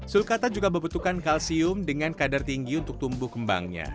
sulkata juga membutuhkan kalsium dengan kadar tinggi untuk tumbuh kembangnya